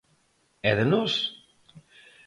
E de nós.